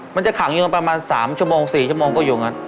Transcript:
มันจะขังอยู่ประมาณ๓ชั่วโมง๔ชั่วโมงก็อยู่งั้น